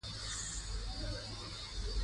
نورستان د افغانستان د ښاري پراختیا سبب کېږي.